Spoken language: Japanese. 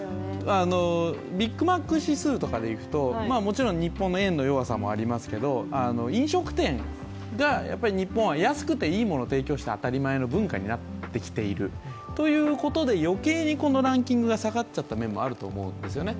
ビッグマック指数とかでいくと、もちろん日本の円の弱さもありますけど、飲食店が日本は安くていいものを提供して当たり前の文化になってきているということで余計にこのランキングが下がっちゃった面もあると思うんですよね。